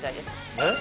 えっ？